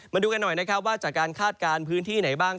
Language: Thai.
มาดูกันหน่อยนะครับว่าจากการคาดการณ์พื้นที่ไหนบ้าง